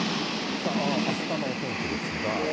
あしたのお天気ですが。